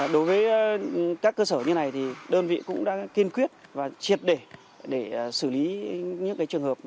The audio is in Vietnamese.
đối với các cơ sở như này đơn vị cũng đang kiên quyết và triệt để xử lý những trường hợp